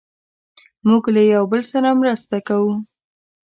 موږ له یو بل سره مرسته کوو.